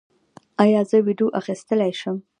ایا زه ویډیو اخیستلی شم؟